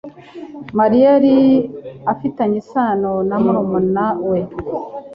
Mariya yari afitanye isano na murumuna we